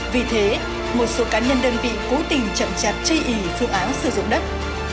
vì thế một số cá nhân đơn vị cố tình chậm chạp chây ý phương án sử dụng đất